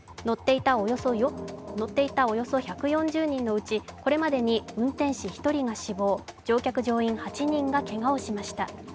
乗っていたおよそ１４０人のうち、これまでに運転士１人が死亡乗客・乗員８人がけがをしました。